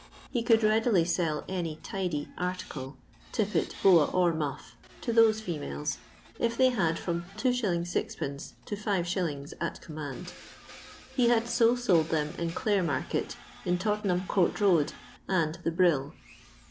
He could readily sell toy " tidy" article, tippet, boa, or muff, to those females, if they had from 2s. 6d. to 6s. at command. He had so sold them in Clare market, in Tottenham court road, and the Brill.